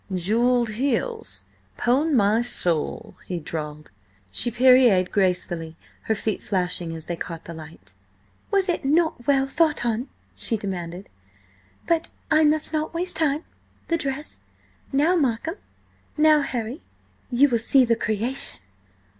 "Jewelled heels, pon my soul!" he drawled. She pirouetted gracefully, her feet flashing as they caught the light. "Was it not well thought on?" she demanded. "But I must not waste time–the dress! Now, Markham–now Harry–you will see the creation!"